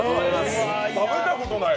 食べたことない。